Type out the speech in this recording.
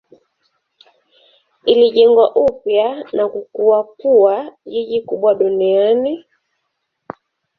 Ilijengwa upya na kukua kuwa jiji kubwa duniani.